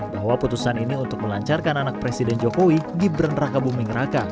bahwa putusan ini untuk melancarkan anak presiden jokowi gibran raka buming raka